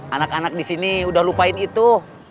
anak anak di sini udah lupain itu